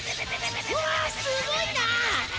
わすごいな！